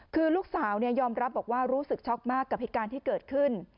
คือลูกสาวยอมรับบอกว่ารู้สึกช็อกมากกับเหตุการณ์ที่เกิดขึ้น